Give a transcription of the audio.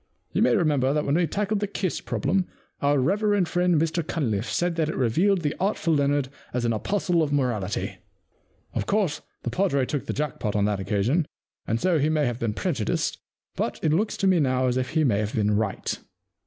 You may remember that when we tackled the Kiss Problem, our reverend friend Mr CunlifFe said that it revealed the artful Leonard as an apostle of morality. Of course, the padre took the jack pot on that occasion, and so he may have been prejudiced, but it looks to me now as if he may have been right.